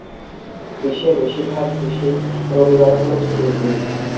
বিশ্বের বেশিরভাগ দেশেই রবিবার হলো ছুটির দিন।